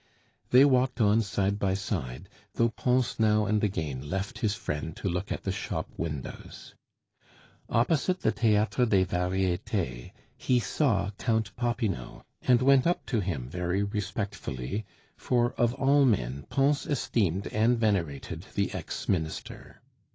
They walked on side by side, though Pons now and again left his friend to look at the shop windows. Opposite the Theatre des Varietes he saw Count Popinot, and went up to him very respectfully, for of all men Pons esteemed and venerated the ex Minister.